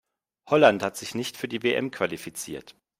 Holland hat sich nicht für die WM qualifiziert.